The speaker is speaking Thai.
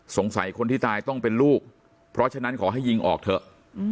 คนที่ตายต้องเป็นลูกเพราะฉะนั้นขอให้ยิงออกเถอะ